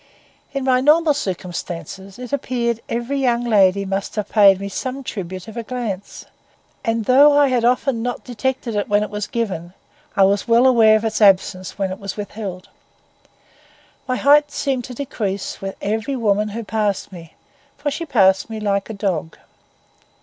In my normal circumstances, it appeared every young lady must have paid me some tribute of a glance; and though I had often not detected it when it was given, I was well aware of its absence when it was withheld. My height seemed to decrease with every woman who passed me, for she passed me like a dog.